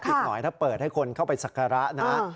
อีกหน่อยถ้าเปิดให้คนเข้าไปสักการะนะ